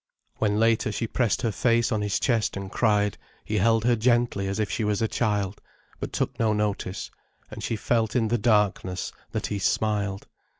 When later she pressed her face on his chest and cried, he held her gently as if she was a child, but took no notice, and she felt in the darkness that he smiled.